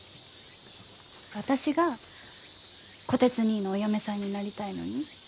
私が虎鉄にいのお嫁さんになりたいのに？